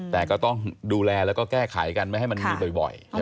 แต่ก็ต้องดูแลแล้วก็แก้ไขกันไม่ให้มันมีบ่อยใช่ไหม